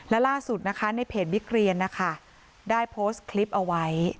และล่าสุดนะคะในเพจบิ๊กเรียนนะคะได้โพสต์คลิปเอาไว้